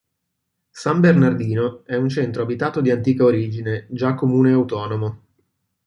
San Bernardino è un centro abitato di antica origine, già Comune autonomo.